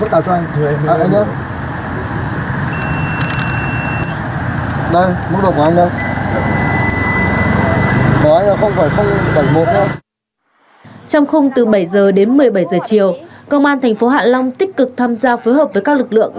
trong khung từ bảy h đến một mươi bảy giờ chiều công an thành phố hạ long tích cực tham gia phối hợp với các lực lượng